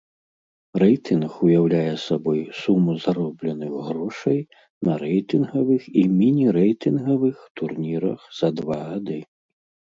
Рэйтынг уяўляе сабой суму заробленых грошай на рэйтынгавых і міні-рэйтынгавых турнірах за два гады.